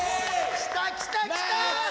きたきたきた！